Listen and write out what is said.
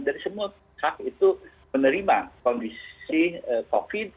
dari semua hak itu menerima kondisi covid